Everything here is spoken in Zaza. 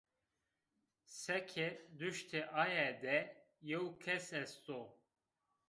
Seke duştê aye de yew kes est o